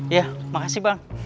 iya makasih bang